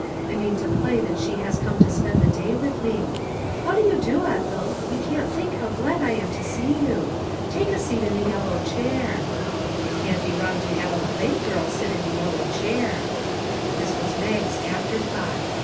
I mean to play that she has come to spend the day with me. ' How do you do, Ethel ? You can't think how glad I am to see you. Take a seat in the yellow chair.' It can't be wrong to have a play girl sit in the yellow chair." This was Mag's afterthought.